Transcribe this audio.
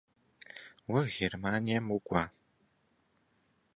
Уэ Германием укӏуа?